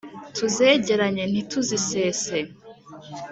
Tuzegeranye ntituzisese